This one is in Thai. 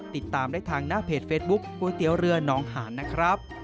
ติดตามได้ทางหน้าเพจเฟซบุ๊คก๋วยเตี๋ยวเรือน้องหานนะครับ